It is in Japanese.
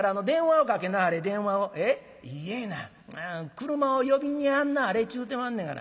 車を呼びにやんなはれちゅうてまんねがな。